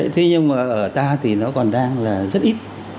thế nhưng mà ở ta thì nó còn đang là rất ít